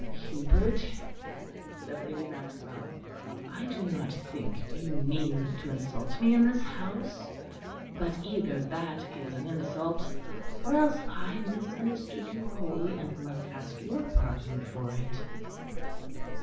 "Hubert," said Lady Maxwell, "I do not think you mean to insult me in this house; but either that is an insult, or else I misunderstood you wholly, and must ask your pardon for it."